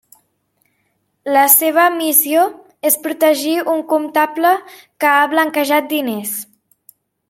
La seva missió és protegir un comptable que ha blanquejat diners.